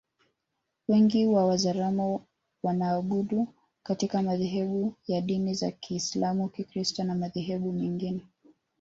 Wengi wa Wazaramo wanaabudu katika madhehebu ya dini za Kiisalamu Kikristo na madhehebu mengine